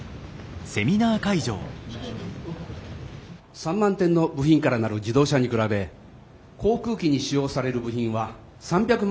３万点の部品からなる自動車に比べ航空機に使用される部品は３００万点にも上ります。